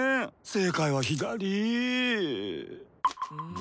正解は左ぃ。